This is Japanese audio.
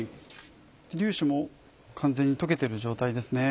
粒子も完全に溶けてる状態ですね。